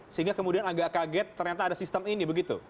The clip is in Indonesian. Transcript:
sehingga kemudian agak kaget ternyata ada sistem ini begitu